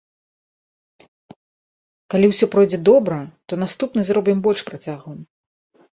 Калі ўсё пройдзе добра, то наступны зробім больш працяглым.